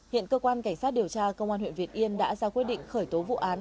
hiện cơ quan cảnh sát điều tra công an huyện việt yên đã ra quyết định khởi tố vụ án